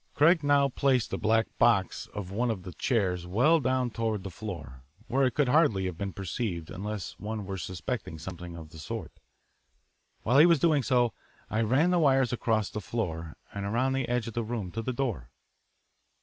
Craig now placed the black box back of one of the chairs well down toward the floor, where it could hardly have been perceived unless one were suspecting something of the sort. While he was doing so I ran the wires across the floor, and around the edge of the room to the door.